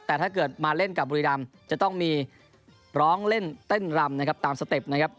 แต่ถ้าเกิดมาเล่นกับบุรีรำจะต้องมีร้องเล่นเต้นรำนะครับตามสเต็ปนะครับ